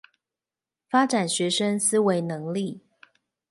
發展學生思維能力